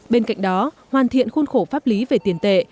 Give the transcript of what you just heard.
bên cạnh đó hoàn thiện khuôn khổ pháp lý về tiền tệ